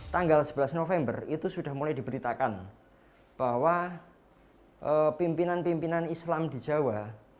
tanggal sebelas november itu sudah mulai diberitakan bahwa pimpinan pimpinan islam di jawa